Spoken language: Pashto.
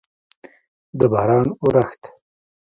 د باران اورښت